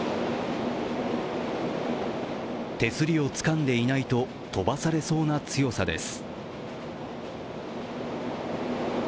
手すりをつかんでいないと飛ばされそうな強さです。